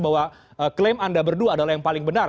bahwa klaim anda berdua adalah yang paling benar